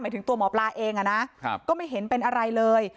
หมายถึงตัวหมอปลาเองอ่ะนะครับก็ไม่เห็นเป็นอะไรเลย